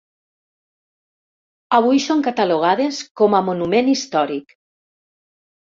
Avui són catalogades com a monument històric.